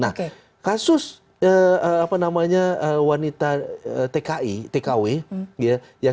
nah kasus apa namanya wanita tki tkw ya yang kemudian siap bersedia untuk berperang